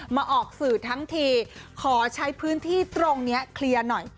ออกสื่อทั้งทีขอใช้พื้นที่ตรงนี้เคลียร์หน่อย